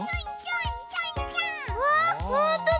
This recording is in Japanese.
ほんとだ！